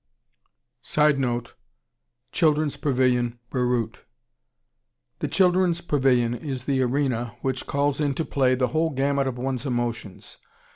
[Sidenote: Children's Pavilion, Beirut.] The Children's Pavilion is the arena which calls into play the whole gamut of one's emotions.